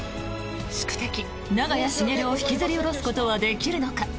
宿敵・長屋茂を引きずり下ろすことはできるのか？